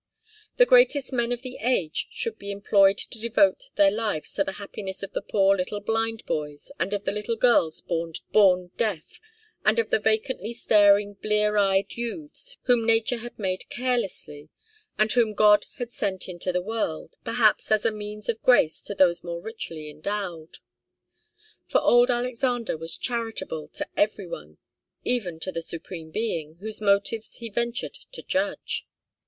The greatest men of the age should be employed to devote their lives to the happiness of the poor little blind boys, and of the little girls born deaf, and of the vacantly staring blear eyed youths whom nature had made carelessly, and whom God had sent into the world, perhaps, as a means of grace to those more richly endowed. For old Alexander was charitable to every one even to the Supreme Being, whose motives he ventured to judge.